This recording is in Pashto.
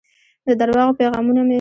د درواغو پیغامونه مې